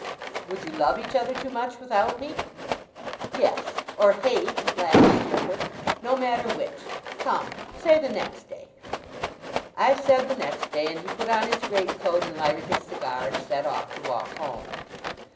'Would you love each other too much, without me?' 'Yes; or hate,' laughed Steerforth; 'no matter which. Come! Say the next day!' I said the next day; and he put on his great coat and lighted his cigar, and set off to walk home.